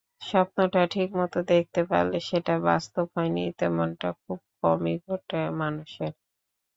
স্বপ্নটা ঠিকমতো দেখতে পারলে সেটা বাস্তব হয়নি, তেমনটা খুব কমই ঘটে মানুষের।